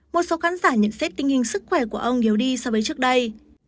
một số khán giả nhận xét tình hình sức khỏe của ông yếu đi so với trước đây